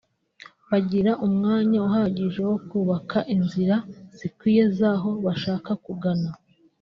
bagira umwanya uhagije wo kubaka inzira zikwiye z’aho bashaka kugana